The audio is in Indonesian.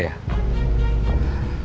sudah tiga bulan ya